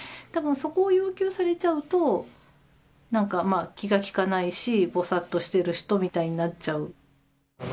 多分そこを要求されちゃうと何かまぁ気が利かないしぼさっとしている人みたいになっちゃう。